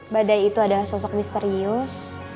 badai itu adalah sosok misterius